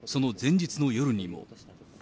さらに、その前日の夜にも。